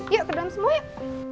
yuk ke dalam semua yuk